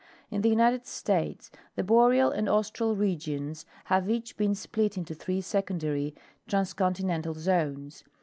In the United States the Boreal and Austral regions have each been split into three secondary transcontinental zones.